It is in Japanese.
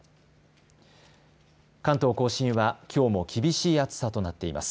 甲信は、きょうも厳しい暑さとなっています。